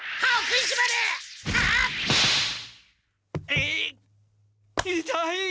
いっいたい！